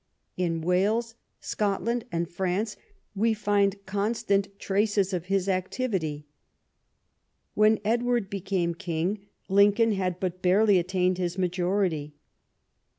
In Wales, Scotland, and France we find constant traces of his activity. When Edward became king, Lincoln had but barely attained his majority.